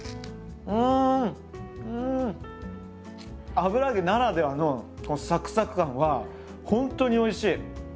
油揚げならではのこのサクサク感はほんとにおいしい。